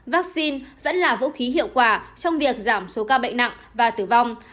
vaccine vẫn là vũ khí hiệu quả trong việc giảm số ca bệnh nặng và tử vong